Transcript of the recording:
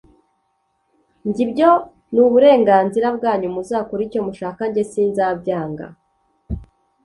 Njye ibyo nuburenganzira bwanyu muzakore icyo mushaka njye sinzabyanga